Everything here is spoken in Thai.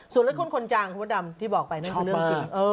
ส่วนเรื่องคนจางคุณพระดำที่บอกไปนั่นคือเรื่องจริง